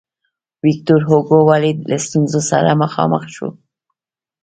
ویکتور هوګو ولې له ستونزو سره مخامخ شو.